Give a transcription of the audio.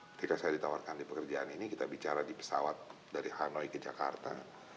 ketika saya ditawarkan di pekerjaan ini kita bicara di pesawat dari hanoi ke jakarta